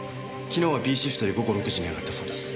昨日はＢシフトで午後６時に上がったそうです。